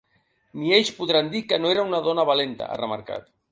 Ni ells podran dir que no era una dona valenta, ha remarcat.